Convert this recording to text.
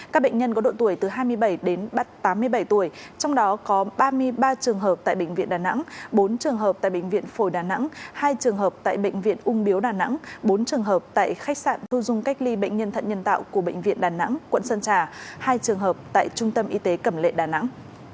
các bệnh nhân có độ tuổi từ hai mươi bảy đến tám mươi bảy tuổi trong đó có ba mươi ba trường hợp tại bệnh viện đà nẵng bốn trường hợp tại bệnh viện phổi đà nẵng hai trường hợp tại bệnh viện ung biếu đà nẵng bốn trường hợp tại khách sạn thu dung cách ly bệnh nhân thận nhân tạo của bệnh viện đà nẵng quận sơn trà hai trường hợp tại trung tâm y tế cẩm lệ đà nẵng